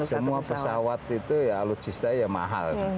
semua pesawat itu alutsisnya mahal